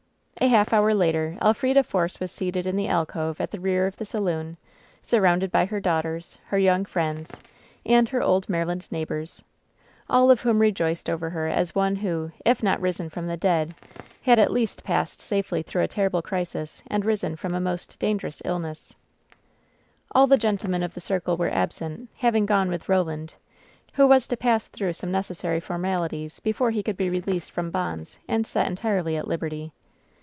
A half hour later, Elfrida Force was seated in the alcove at the rear of the saloon, surrounded by her daugh ters, her young friends, and her old Maryland neighbors, all of whom rejoiced over her as over one who, if not risen from the dead, had at least passed safely through a terrible crisis and risen from a most dangerous illness. 878 WHEN SHADOWS DIE All the gentlemen of their circle were absent, having gone with Roland, who was to pass through some neces sary formalities before he could be released from bonds and set entirely at liberty.